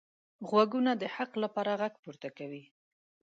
غوږونه د حق لپاره غږ پورته کوي